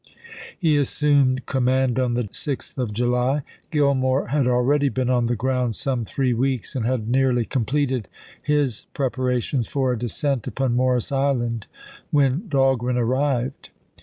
He assumed command on the 6th of July. Gillmore i«53. had already been on the ground some three weeks, and had nearly completed his preparations for a descent upon Morris Island, when Dahlgren arrived.